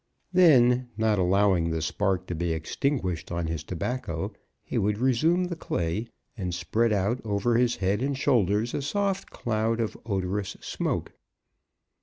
Then, not allowing the spark to be extinguished on his tobacco, he would resume the clay, and spread out over his head and shoulders a long soft cloud of odorous smoke.